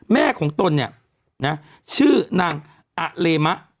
แม่ของตนเนี่ยนะชื่อนางอเลมะ